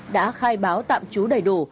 đã khai báo tạm trú đầy đủ